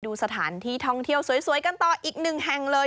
ดูสถานที่ท่องเที่ยวสวยกันต่ออีกหนึ่งแห่งเลย